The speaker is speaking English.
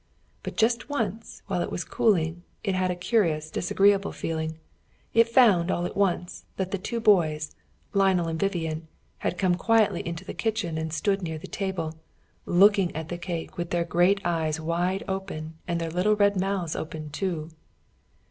But just once, while it was cooling, it had a curious, disagreeable feeling. It found, all at once, that the two boys, Lionel and Vivian, had come quietly into the kitchen and stood near the table, looking at the cake with their great eyes wide open and their little red mouths open, too.